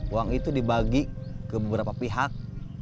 uang itu dibagi ke beberapa pihak